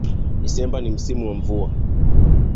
Desemba ni msimu wa mvua